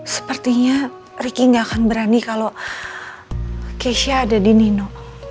sepertinya ricky gak akan berani kalau keisha ada di nino